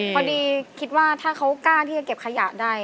พอดีคิดว่าถ้าเขากล้าที่จะเก็บขยะได้